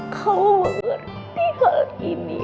kau mengerti hal ini